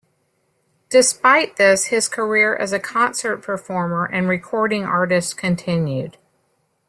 Despite this, his career as a concert performer and recording artist continued.